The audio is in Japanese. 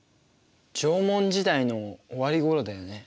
縄文時代の終わりごろだよね？